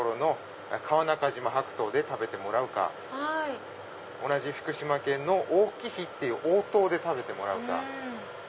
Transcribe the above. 川中島白桃で食べてもらうか同じ福島県の黄貴妃っていう黄桃で食べてもらうか。